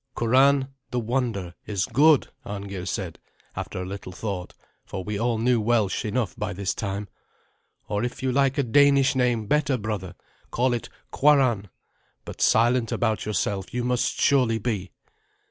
"Curan, the wonder, is good," Arngeir said, after a little thought, for we all knew Welsh enough by this time. "Or if you like a Danish name better, brother, call it 'Kwaran,' but silent about yourself you must surely be."